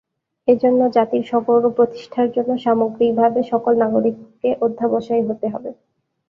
এজন্য জাতির সগৌরব প্রতিষ্ঠার জন্য সামগ্রিকভাবে সকল নাগরিককে অধ্যবসায়ী হতে হবে।